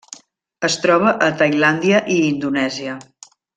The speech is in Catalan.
Es troba a Tailàndia i Indonèsia.